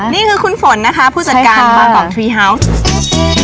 นี่คือคุณฝนนะคะผู้จัดการบางกอกทรีฮาวส์